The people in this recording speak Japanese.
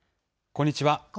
こんにちは。